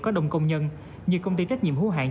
có đông công nhân như công ty trách nhiệm hữu hạng